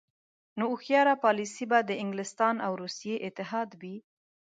نو هوښیاره پالیسي به د انګلستان او روسیې اتحاد وي.